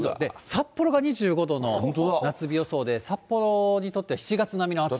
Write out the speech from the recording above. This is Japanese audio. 札幌が２５度の夏日予想で、札幌にとっては７月並みの暑さ。